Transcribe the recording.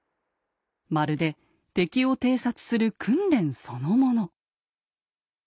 まるで敵を偵察する訓練そのもの。